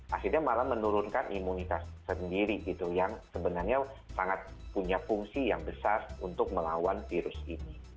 akhirnya malah menurunkan imunitas sendiri gitu yang sebenarnya sangat punya fungsi yang besar untuk melawan virus ini